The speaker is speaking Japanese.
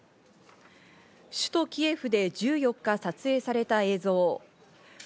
首都キエフで１４日撮影された映像。